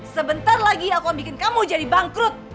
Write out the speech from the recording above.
sebentar lagi aku bikin kamu jadi bangkrut